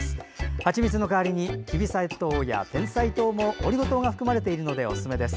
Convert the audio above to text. はちみつの代わりにきび砂糖や、てんさい糖もオリゴ糖が含まれているのでおすすめです。